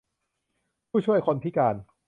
ผู้ช่วยคนพิการ